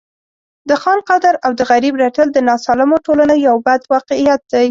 د خان قدر او د غریب رټل د ناسالمو ټولنو یو بد واقعیت دی.